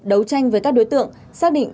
đấu tranh với các đối tượng xác định